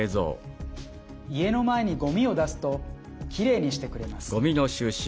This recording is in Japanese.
家の前にごみを出すときれいにしてくれます。